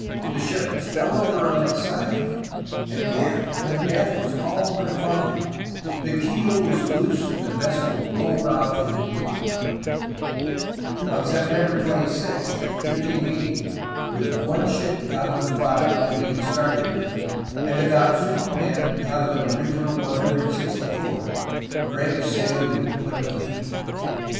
The ship fell over on its side and then — when death was all but upon them — the keel was loosed and the vessel rolled off into deep water! On September 26, 1580, with one ship out of five that he had started with, and about fifty men out of an original 164, Drake sailed into Plymouth, England.